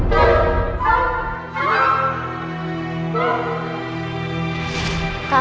keadaan rumahnya ngga ada